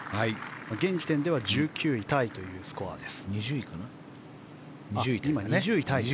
現時点では２０位タイというスコアです。